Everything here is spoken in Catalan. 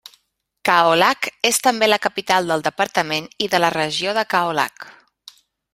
Kaolack és també la capital del departament i de la regió de Kaolack.